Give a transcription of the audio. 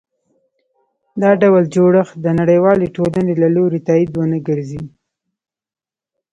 دا ډول جوړښت د نړیوالې ټولنې له لوري تایید ونه ګرځي.